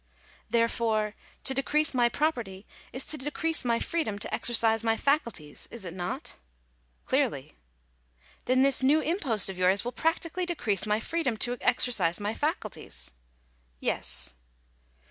" Therefore to decrease my property is to decrease my free dom to exercise my faculties, is it not ?"" Clearly." "Then this new impost of yours will practically decrease my freedom to exercise my faculties ?" "Yes."